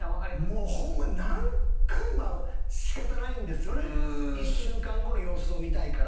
ホンマ何回仕方ないんですよね。